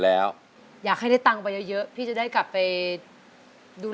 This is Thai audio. แล้วก็หายกันแล้วก็พากันมาอยู่เป็นครอบครัวอบอุ่น